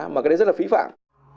mà cái đấy rất là phí phạm